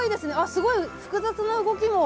すごい、複雑な動きも。